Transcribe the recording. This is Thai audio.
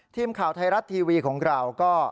ทีมข่าวไทยรัฐทีวีของเราก็